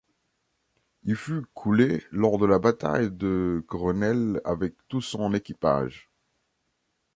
Il fut coulé lors de la bataille de Coronel avec tout son équipage.